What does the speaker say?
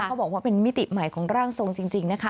เขาบอกว่าเป็นมิติใหม่ของร่างทรงจริงนะคะ